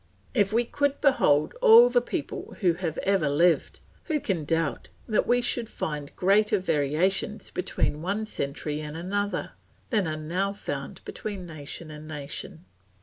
If we could behold all the people who have ever lived, who can doubt that we should find greater variations between one century and another, than are now found between nation and nation.